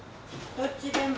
どっちでも。